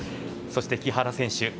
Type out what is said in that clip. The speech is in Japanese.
そして、木原選手。